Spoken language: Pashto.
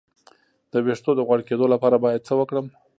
د ویښتو د غوړ کیدو لپاره باید څه وکړم؟